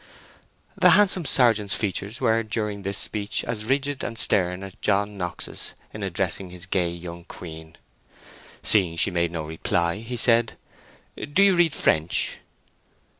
The handsome sergeant's features were during this speech as rigid and stern as John Knox's in addressing his gay young queen. Seeing she made no reply, he said, "Do you read French?"